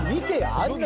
あんな